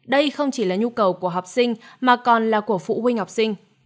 đây không chỉ là nhu cầu của học sinh mà còn là của phụ huynh học sinh